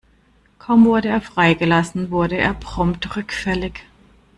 Kaum wurde er freigelassen, wurde er prompt rückfällig.